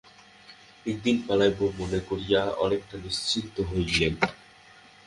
একদিন পলাইব– মনে করিয়া অনেকটা নিশ্চিন্ত হইলেন।